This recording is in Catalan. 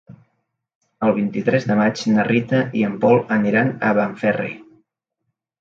El vint-i-tres de maig na Rita i en Pol aniran a Benferri.